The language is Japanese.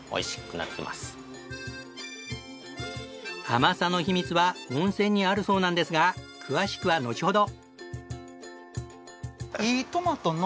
甘さの秘密は温泉にあるそうなんですが詳しくはのちほど！